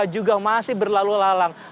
juga masih berlalu lalang